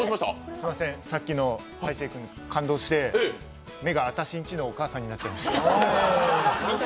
すみません、さっきの大晴君感動して、目が「あたしんチ」のお母さんになっちゃいました。